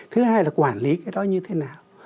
thứ hai là quản lý cái đó như thế nào